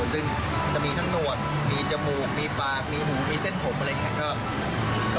ซึ่งจะมีทั้งหนวดมีจมูกมีปากมีหูมีเส้นผมอะไรอย่างนี้